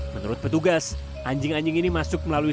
menurut petugas anjing anjing ini masuk melalui